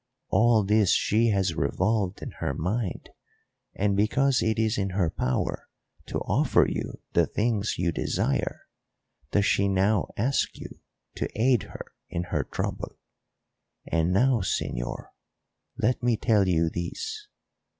All this she has revolved in her mind, and because it is in her power to offer you the things you desire does she now ask you to aid her in her trouble. And now, señor, let me tell you this.